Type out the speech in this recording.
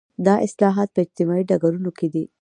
دا اصلاحات په اجتماعي ډګرونو کې دي.